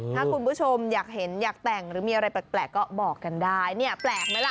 ถ้าคุณผู้ชมอยากเห็นอยากแต่งหรือมีอะไรแปลกก็บอกกันได้เนี่ยแปลกไหมล่ะ